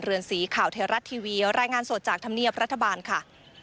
เรือนสีข่าวไทยรัฐทีวีรายงานสดจากธรรมเนียบรัฐบาลค่ะ